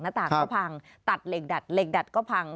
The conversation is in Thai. ต่างก็พังตัดเหล็กดัดเหล็กดัดก็พัง